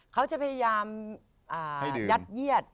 เขาจะพยายามยัดเยียด